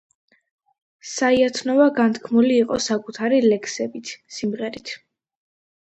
საიათნოვა განთქმული იყო საკუთარი ლექსებით, სიმღერით.